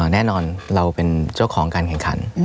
แน่นอนเราเป็นเจ้าของการแข่งขัน